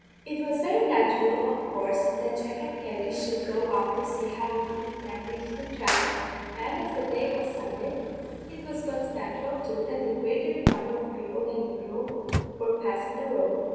It was very natural, of coorse, that Jack and Katty should go out to see how it intended to thravel; and, as the day was Sunday, it was but natural, too, that a greater number of people than usual were passin' the road.